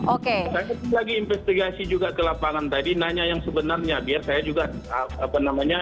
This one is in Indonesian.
oke saya lagi investigasi juga ke lapangan tadi nanya yang sebenarnya biar saya juga apa namanya